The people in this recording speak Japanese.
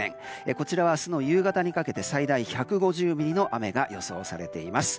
こちらは明日の夕方にかけて最大１５０ミリの雨が予想されています。